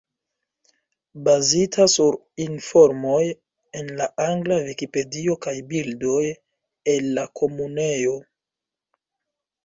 Bazita sur informoj en la angla Vikipedio kaj bildoj el la Komunejo.